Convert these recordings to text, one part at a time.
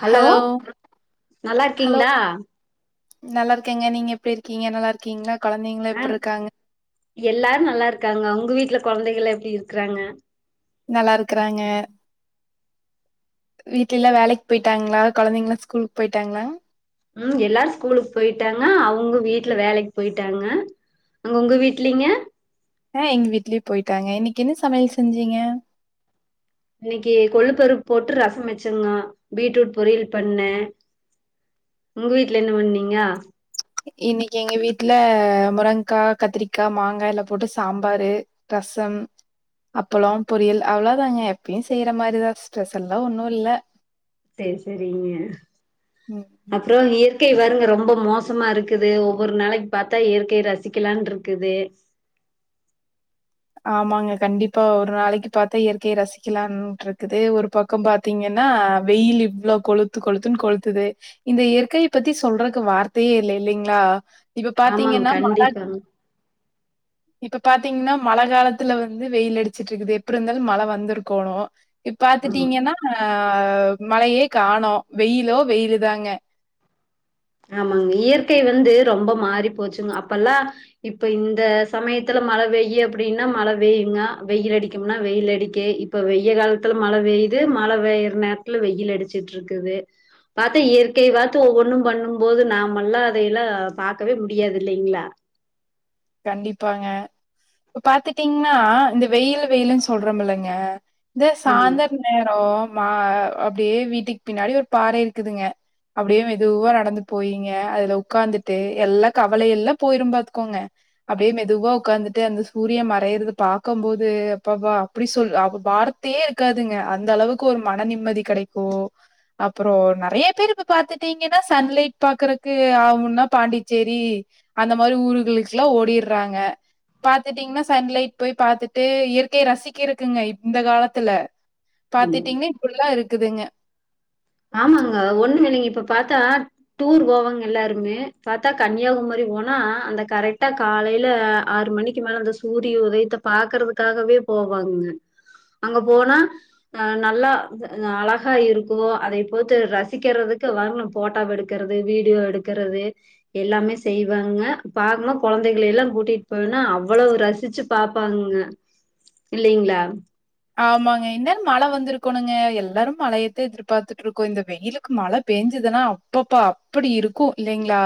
Hello நல்லாருக்கீங்ளா நல்லாருக்கேங்க நீங்க எப்டி இருக்கீங்க நல்லா இருக்கீங்ளா கொழந்தைங்களா ஆ எப்புட்ருக்காங்க எல்லாரு நல்லாருக்காங்க உங்க வீட்ல கொழந்தைகள்ளா எப்டி இருக்குறாங்க நல்லாருக்கறாங்க வீட்ல எல்லா வேலைக் போயிட்டாங்ளா கொழந்தைங்களா ஸ்கூலுக்கு போயிட்டாங்ளா ம் எல்லாரு ஸ்கூலுக்கு போயிட்டாங்க அவுங்க வீட்ல வேலைக்கி போயிட்டாங்க அங்க உங்க வீட்லிங்க ஆ எங்க வீட்லேயு போயிட்டாங்க இன்னைக்கி என்ன சமையல் செஞ்சீங்க இன்னைக்கி கொள்ளு பருப்பு போட்டு ரசம் வச்சேங்க பீட்ரூட் பொரியல் பண்ணே உங்க வீட்ல என்ன பண்ணீங்க இன்னைக்கி எங்க வீட்ல முருங்கா கத்திரிக்கா மாங்காய்லா போட்டு சாம்பாரு ரசம் அப்பளம் பொரியல் அவ்ளோ தாங்க எப்பயு செய்யற மாரிதா ஸ்பெஷல்லா ஒன்னு இல்ல சேரி சேரிங்க ம் அப் அப்றோ இயற்கை பாருங்க ரொம்ப மோசமாருக்குது ஒவ்வொரு நாளைக்கி பாத்தா இயற்கை ரசிக்கலான்ருக்குது ஆமாங்க கண்டிப்பா ஒரு நாளைக்கி பாத்தா இயற்கைய ரசிக்கலான்ருக்குது ஒரு பக்கம் பாத்தீங்கன்னா வெயில் இவ்ளோ கொளுத்து கொளுத்துன்னு கொளுத்துது இந்த இயற்கையை பத்தி சொல்றக்கு வார்த்தையே இல்ல இல்லைங்ளா இப்ப ஆமாங்க பாத்தீங்கன்னா மாராஜ கண்டிப்பாங்க இப்ப பாத்தீங்ன்னா மழ காலத்துல வந்து வெயில் அடிச்சிட்ருக்குது எப்டி இருந்தாலு மழ வந்திருக்கோணு இப்ப ஆமா பாத்துட்டீங்கன்னா மழையே காணோ வெயிலோ வெயிலு தாங்க ஆமாங் இயற்கை வந்து ரொம்ப மாறி போச்சுங்க அப்பல்லா இப்ப இந்த சமயத்துல மழ வெய்யு அப்டினா மழ வெயுங்க வெயில் அடிக்கும்னா வெயில் அடிக்கே இப்ப வெய்ய காலத்துல மழ பெய்து மழ வெயிற நேரத்துல வெயில் அடிச்சுட்ருக்குது அது இயற்கை பாத்து ஒவ்வொன்னும் பண்ணு போது நாம எல்லா அதையெல்லா பாக்கவே முடியாது இல்லேங்ளா கண்டிப்பாங்க இப்ப பாத்துட்டீங்கனா இந்த வெயில் வெயில்னு சொல்றோமில்லங்க ந்து ஆமாங்க, சாயந்தர் நேரோ மா அப்டியே வீட்டுக் பின்னாடி ஒரு பாற இருக்குதுங்க அப்டியு மெதுவா நடந்து போயிங்க அதுல உக்காந்துட்டு எல்லா கவல எல்லா போயிரு பாத்துக்கோங்க அப்டியே மெதுவா உக்காந்துட்டு அந்த சூரிய மறையறது பாக்கம்போது அப்பப்பா எப்டி சொல் அப்ப வார்த்தையே இருக்காதுங்க அந்த அளவுக்கு ஒரு மன நிம்மதி கெடைக்கு அப்புறோ நெறைய பேர் இப்ப பாத்துட்டிங்கனா சன்லைட் பாக்கறக்கு ஆவுன்னா பாண்டிச்சேரி அந்த மாரி ஊர்களுக்ல்லா ஓடீர்றாங்க பாத்துட்டிங்னா சன்லைட் போயி பாத்துட்டு இயற்கைய ரசிக்கருக்குங்க இந்த காலத்துல ஆமாங்க. பாத்துட்டிங்னா இப்புட்ல்லா இருக்குதுங்க ஆமாங்க ஒன்னுமில்லங்க இப்ப பாத்தா டூர் போவாங் எல்லாருமே பாத்தா கன்னியாகுமரி போனா அந்த கரெக்டா காலைல ஆறு மணிக் கி மேல அந்த சூரிய உதயத்த பாக்குறதுக்காகவே போவாங்க அங்க போனா அ நல்லா அழகா இருக்கு அதை போத்து ரசிக்கிறதுக் வர்ணு ஃபோட்டோவ எடுக்கறது வீடியோ எடுக்கறது எல்லாமே செய்வாங்க பாக்கணு கொழந்தைகளையெல்லா கூட்டிட் போனுன்னா அவ்வளவு ரசிச்சு பாப்பாங்கங்க இல்லைங்ளா ஆமாங்க இன்நேரோ மழ வந்திருக்கோணுங்க எல்லாரும மழையதா எதிர்பாத்துட்ருக்கோ இந்த வெயிலுக்கு மழ பேஞ்சிதுனா அப்பப்ப அப்டி இருக்கு இல்லைங்ளா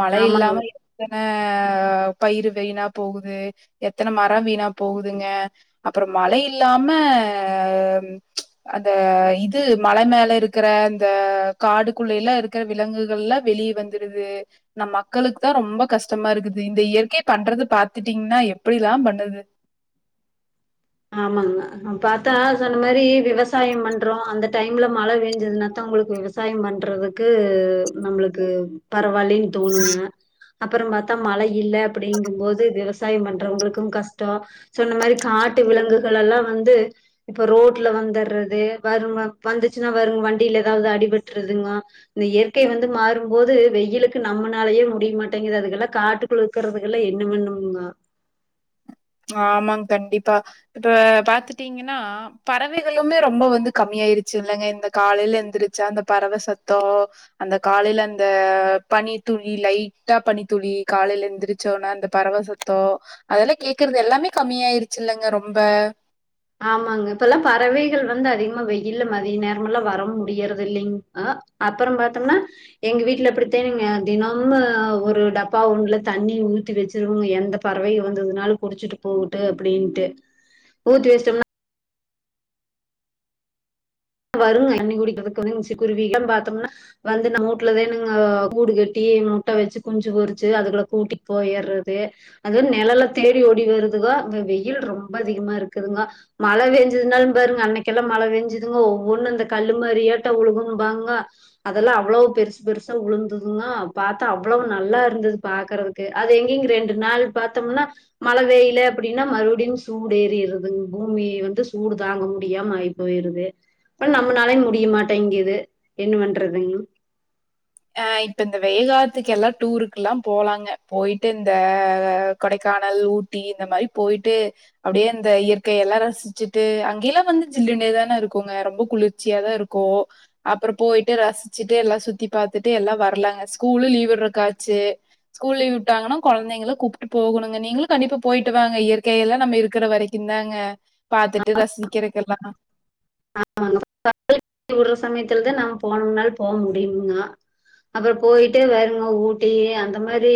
மழ ஆமாங்க இல்லாம அ பயிரு வைணா போகுது எத்தன மர வீணா போகுதுங்க அப்பறோ மழ இல்லாம அந்த இது மல மேல இருக்கற அந்த காடுக்கககுள்ளேல்லா இருக்கற விலங்குகள் எல்லா வெளிய வந் துருது நம் மக்களுக்கு தா ரொம்ப கஷ்டமா இருக்குது இந்த இயற்கை பண்றது பாத்துட்டீங்னா எப்டில்லா பண்ணுது ஆமாங்க அ பாத்தா சொன்ன மாரி விவசாய பண்றோ அந்த டைம்ல மழ பேஞ்சதுனாதா உங்குளுக் விவஸ் சாயம் பண்றதுக்கு நம்முளுக்கு பரவால்லேன் தோணுங்க அப்புறோ பாத்தா மழ இல்ல அப்டிங்கும்போது விவசாயம் பண்றவங்களுக்கு கஷ்டோ சொன்ன மாரி காட்டு விலங்குகள் எல்லா வந்து இப்ப ரோட்ல வந்தட்றது வருங்க வந்துச்சுனா வருங் வண்டியில ஏதாவத் அடிபட்ருதுங்கோ இந்த இயற்கை வந்து மாறும்போது வெயிலுக்கு நம்மனாலயே முடியா மாட்டேங்கது அதுகெல்லா காட்டு க்குள் இருக்கறதுகெல்லா என்ன வண்ணும்ங்கோ ஆமாங் கண்டிப்பா இப்ப பாத்துட்டீங்கனா பறவைகளுமே ரொம்ப வந்து கம்மியாயிருச்சு இல்லங்க இந்த காலைல எந்திருச்சா அந்த பறவ சத்தோ அந்த காலைல அந்த பனி துளி லைட்டா பனி துளி காலைல எந்திரிச்சோன அந்த பறவ சத்தோ அதெல்லா கேட்கறது எல்லாமே கம்மியாயிருச்சு இல்லங்க ரொம்ப ஆமாங்க இப்ப எல்லா பறவைகள் வந்து அதிகமா வெயில்ல மதிய நேரமெல்லா வர முடியறதில்லைங் அ அப்பறோ பாத்தம்னா எங் வீட்ல அப்டிதானுங்க தினம்மு ஒரு டப்பா ஒன்ல தண்ணி ஊத்தி வெச்சிருவோங் எந்தப் பறவைக வந்ததுனால் குடிச்சுட்டு போகுட்டு அப்டின்ட்டு ஊத்தி வெச்சிட்டம்னா வருங்க தண்ணி குடிக்கிறதுக் [unintelligible] குருவி [unintelligible] பாத்தம்னா வந்து நம்ம வூட்லதானுங்க அ கூடு கட்டி முட்ட வெச்சு குஞ்சு பொரிச்சு அதுக்குகள கூட்டி போயற்றது அது நெலல தேடி ஓடி வருதுக அங்க வெயில் ரொம்ப அதிகமா இருக்குதுங்க மழ பேஞ்சுதுனாலு பாருங்க அன்னைக்கு எல்லா மழ பேஞ்சுது அதுங்க ஒவொன்னு இந்த கல்லு மாரியாட்டோ உலுவும்பாங்க இருக்கும்பாங்க அதல்லா அவ்ளோ பெருசு பெருசா உழுந்துதுங்க பாத்தா அவ்ளவு நல்லா இருந்துது பாக்கறது க்கு அது எங்கிங் ரெண்டு நாள் பாத்தம்ன்னா மழ பேயில அப்படின்னா மறுபடியு சூடு ஏறிறதுங் பூமிய வந்து சூடு தாங்க முடியாம ஆயி போயிருது அப்ப நம்மனாளயூ முடியமாட்டிங்குது என்ன பண்றதுங்க ஆ இப்ப இந்த வெய காலத்துக்கு எல்லா டூருக்குல்லா போலாங்க போயிட்டு இந்த கொடைக்கானல் ஊட் டி இந்த மாரி போயிட்டு அப்டியே அந்த இயற்கைய எல்லா ரசிச்சிட்டு அங்கியல்லா வந்து ஜில்லுனே தான இருக்குங்க ரொம்ப குளிர்ச்சியா தா இருக் கு அப்பறோ போயிட்டு ரசிச்சிட்டு எல்லா சுத்தி பாத்துட்டு எல்லா வர்ல ஸ்கூலு லீவ்விட்றக்காச்சு ஸ்கூல் லீவ் உட்டாங்கன்னா கொழந்தைங்கள கூப்ட்டு போகணுங்க நீங்களு கண்டிப்பா போயிட்டு வாங்க இயற்கையல்லா நம்ம இருக்கற வரை கிந்தாங்க பாத்துட்டு ரசிக்கறக்கெல்லா [inaudible] சமயத்துல தா நாங்க போனம்னால் போ முடியுங்னா அப்பறோ போயிட்டு வருங்க ஊட்டி அந்த மாரி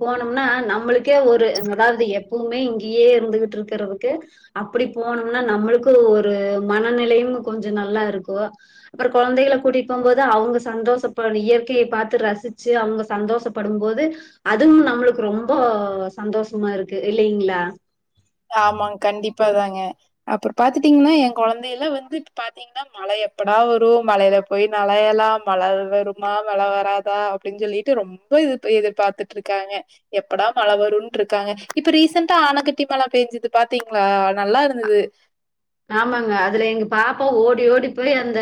போனம்ன்னா நம்மளுக் கே ஒரு அதாவது எப் பவுமே இங்கேயே இருந்துகிட்டு இருக்றதுக்கு அப்படி போனம்னா நம்மளுக்கு ஒரு மனநிலையும் கொஞ்சோ நல்லா இருக்கு அப்பறோ கொழந்தைகள கூட்டிபோம்போது அவங்க சந்தோஷப்ப இயற்கைய பாத்து ரசிச்சு அவங்க சந்தோஷப் படும்போது அதுவும் நம்பளுக்கு ரொம்போ சந்தோஷமா இருக்கு இல்லைங்ளா ஆமாஙங் கண்டிப்பாதாங்க அப்பறோ பாத்துட்டீங்ன்னா எ கொழந்தைலா வந்து பாத்தீ ங்கன்னா மழ எப்படா வரு மழையில போய் நலய்யலா மழ வருமா மழ வராதா அப் டின் சொல்லிட்டு ரொம்ப இது எதிர்பாத்துட்டுருக்காங்க எப்படா மழ வருன்ட்ருக்காங்க இப்ப ரீசண்ட்டா ஆணக்கட்டி மழ பேஞ்சிது பாத்திங்ளா நல்லா இருந்துது ஆமாங்க அதுல எங்க பாப்பா ஓடி ஓடி போய் அந்த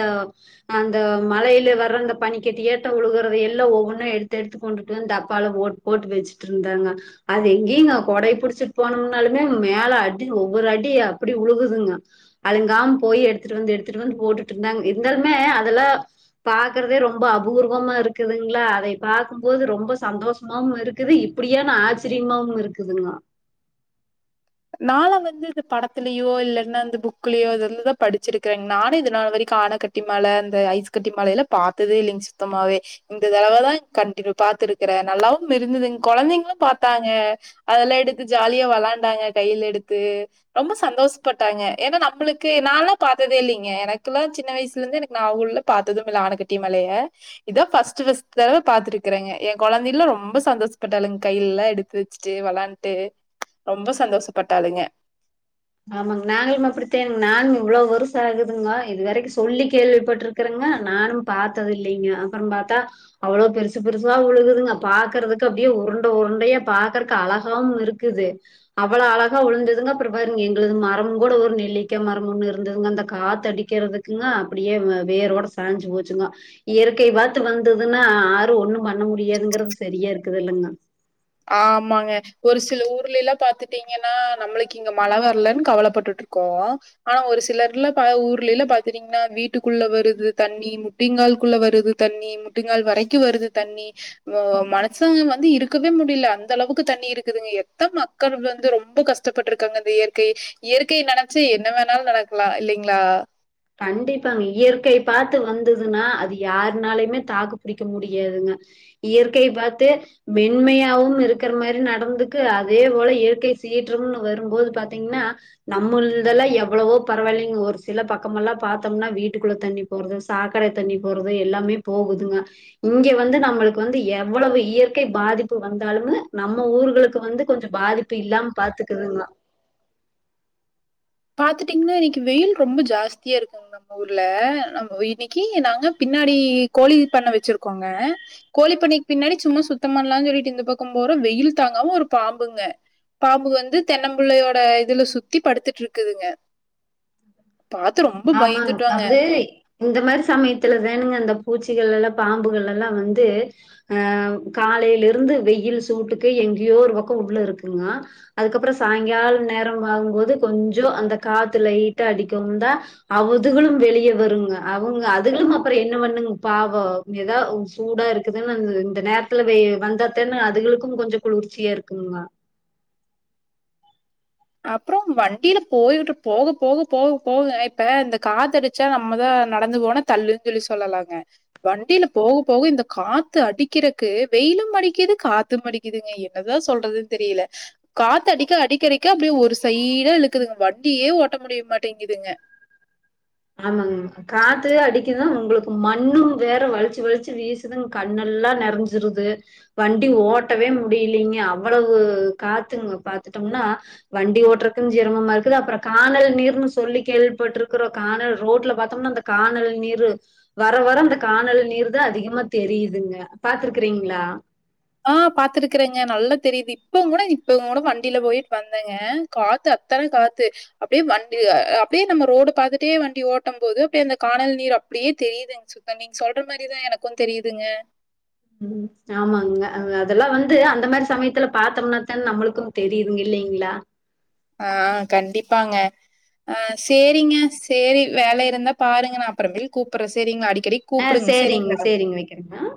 அந்த மழையில வர்ற அந்த பனிக்கட்டியாட்டோ உழுகுறது எல்லா ஒவ்வொன்னு எடுத்து எடுத்து கொண்டுட்டு வந்து டப்பால போட் போட்டு வெச்சுட்டு இருந்தாங்க அது எங்கீங்க கொடைய புடிச்சிட்டு போனம்னாலுமே மேல அடி ஒவ்வொரு அடி அப்படி உழுகுதுங்க அழுங்காம போய் எடுத்துட்டு வந்து எடுத்துட்டு வந்து போட்டுட்டு இருந்தாங்க இருந்தாலுமே அதல்லா பாக்கறதே ரொம்ப அபூர்வமா இருக்குதுங்ளா அதைய பாக்குபோது ரொம்ப சந்தோஷ மாவு இருக்குது இப்படியான் ஆச்சிரியமாவும் இருக்குதுங்க நாலா வந்து இது படத்துலயோ இல்லன்னா அந்த புக்குலயோ இதல்லத படிச்சிருக்கங் நானு இதுனால் வரைக்கு ஆண கட் டி மழ அந்த ஐஸ் கட்டி மழையில பாத்ததே இல்லைங்க சுத்தமாவே இந்த தடவதா கட்டினுவ் பாத்துருக்கற நல்லாவும் இருந்துதுங் கொழந்தைங்களு பாத்தாங்க அதல்லா எடுத்து ஜாலியா வெளாண்டாங்க கையில எடுத்து ரொம்ப சந்தோஸ்ப்பட்டாங்க ஏன்னா நம்மளுக்கு நாளா பாத்ததே இல்லைங்க எனக்குல்லா சின்ன வயசுல இருந்தே எனக்கு நா உள்ள பாத்ததும் இல்ல ஆணக்கட்டி மழைய இதா பஸ்ட்டு பஸ்ட்டு தடவ பாத்துருக்கறங்க ஏ கொழந்தைலா ரொம்ப சந்தோஷப்பட்டாளுங் கையில்லா எடு சிருச்ட்டு வெளாண்ட்டு ரொம்ப சந்தோஷப்பட்டாளுங்க ஆமாங் நாங்களும் அப்படித்தானுங் நாங் இவ்ளோ வருச ஆகுதுங்கா இது வரைக்கும் சொல்லி கேள்விப்பட்ருக்கு றங்க நானு பாத்தது இல்லைங்க அப்பறோ பாத்தா அவ்ளோ பெருசு பெருசா உழுகுதுங்க பாக்கறதுக்கு அப்டியே உருண்ட உருண்டையா பாக்கறக்கு அழகாவும் இருக் இருக்குது அவ்வள அழகா உழுந்ததுங்க பிபர் எங்களது மரம் கூட ஒரு நெல்லிக்கா மரம் இருந்ததுங்க அந்த காத்த அடிக்கிறதுக்குங்க அப்டியே வேரோட சா சாஞ்சு போச்சுங்க இயற்கை காத்து வந்ததுன்னா ஆரும் ஒண்ணும் பண்ண முடியாதுங்கிறது சரியா இருக்குதுல்லைங்க ஆமாங்க ஒரு சில ஊர்லல்லா பாத்துட்டீங்கன்னா நம்மளுக்கு இங்க மழ வரலனு கவலைப்பட்டுட் இருக் கோ ஆனா ஒரு சிலர்ல ஊர்லல்ல பாத்தட்டீங்கன்னா வீட்டுக்குள்ள வருது தண்ணி முடிங்கால்குள்ள வருது தண்ணி முட்டங்கால் வரைக்கு வருது தண்ணி மனுசங்க வந்து இருக்க க்கவே முடியல அந்த அளவுக்கு தண்ணி இருக்குதுங்க எத்தன மக்கள் வந்து ரொம்ப கஷ்டப்பட்ருக்காங்க இந்த இயற்கை இயற்கை நனச்சி என்ன வேணாலு நடக்லா இல்லீங்ளா கண்டிப்பாங்க இயற்கைய பாத்து வந்ததுனா அது யாருனாலயுமே தாக்கு புடிக்க முடியாதுங்க இயற்கைய பாத்து மென்மையாவு இருக்ற மாரி நடந்துக்கு அதே போல இயற்கை சீற்றனு வருபோது பாத்தீங்கனா நம்மூர்ல இதலா எவ்ளவோ பரவால்லங்க ஒரு சில பக் கமெல்லா பாத்தோம்னா வீட்டுக்குள்ள தண்ணி போறது சாக்கட தண்ணி போறது எல்லாமே போகுதுங்க இங்கே வந்து நம்மளுக்கு வந்து எவ்வளவு இயற்கை பாதிப்பு வந்தாலுமு நம்ம ஊர்களுக்கு வந்து கொஞ்சொ பாதிப் ப்பு இல்லாம பாத்துக்கறதுங்கோ பாத்துட்டீங்கனா இன்னிக்கு வெயில் ரொம்ப ஜாஸ்தியா இருகுங் நம்ம ஊர்ல நம்ம வீதிக்கி நாங்க பின்னாடி கோழி பண்ண வச்சிருக்கோங்க கோழி பண்ணக்கு பின்னாடி சும்மா சுத்த பணலா சொல்ட்டு இந்த பக்கொ போறோ வெயில் தாங்காம ஒரு பாம்புங்க பாம்பு வந்து தென்னம்பிள்ளையோட இதுல சுத்தி படுத்துட்டு இருக்குதுங்க பாத்து ரொம்ப ஆமாங் பயந்துட்டோங்க அது இந்த மாரி சமயத்துலதாணுங்க அந்த பூச்சிகளல்லா பாம்புகளல்லா வந்து அ காலைல இருந்து வெயில் சூட்டுக்கு எங்கேயோ ஒரு பக்கொ உள்ள இருக்குங்க அதுக்கப்பறோ சாயங்கால நேரொ ஆகுபோது கொஞ்சொ அந்த காத்துலட்டா அடிக்கவுந் தா அவதுகளு வெளியே வருங்க அவுங்க அதுகளு அப்றோ என்ன பண்ணுங்க பாவொ ஏதா சூடா இருக்குதுன்னு இந்த நேரத்துல வந்தாத்தேன்ன அதுகளுக்கு கொஞ்சொ குளிர்ச்சியா இருக்குங்க அப்றோ வண்டில போய்ட்டு போக போக போக போக இப்ப இந்த காத்தடிச்சா நம்ம தா நடந்து போன தள்ளுன்னு சொல்லி சொல்லலாங்க வண்டில போக போக இந்த காத்து அடிக்றக்கு வெயிலு அடிக்கிது காத்தூமடிக்கிது இதுங்க என்னதா சொல்றது தெரில காத்து அடிக்க அடிக்கடிக்க க்க அப்டியே ஒரு சைடா இழுக்குதுங்க வண்டியே ஓட்ட முடிய மாட்டேங்குதுங்க ஆமாங்க காத்து அடிக்குதா ஒங்ளுக்கு மண்ணூ வேற வலிச்சு வலிச்சு வீசுதுங் கண்ணெல்லா நெறைஞ்சிருது வண்டி ஓட்டவே முடியலீங்க அவ்வளவு காத்துங்க பாத்துட்டோமுனா வண்டி ஓட்டுறக்கு ஜிரமமா இருக்குது அப்பறோ கானல் நீர்ன்னு சொல்லி கேள்விபட்டுர்க்றோ கானல் ரோட்ல பாத்தோமுனா அந்த கானல் நீரூ வர வர இந்த கானல் நீர் தா அதிகமா தெரியுதுங்க பாத்துருக்றீங்ளா ஆ பாத்துருக்றேங்க நல்லா தெரிது இப்பவு கூட இப்பவு கூட வண்டில போயிட்டு வந்தேங்க காத்து அத்தன காத்து அப்டியே வண்டு அ அப்டியே நம்ம ரோடு பாத்துட்டே வண்டி ஓட்ட போது அப்டியே அந்த கானல் நீர் அப்டியே தெரியுதுங்க நீங்க சொல்ற மாரிதா எனக்கூ தெரியுதுங்க ம் ஆமாங்க அதெலா வந்துடு அந்த மாரி சமயத்துல பாத்தோமுனாத்தா நம்ளுக்கு தெரிதுங்க இல்லங்களா ஆ ஆ கண்டிப்பாங்க ஆ சேரிங்க சேரி வேல இருந்தா பாருங்க நா அப்பறமேல் கூப்பறே சரிங்களா அடிக்கடி ஆ கூப்பிடுங்க. சேரிங்க சரிங்களா? சேரிங்க வக்ற அ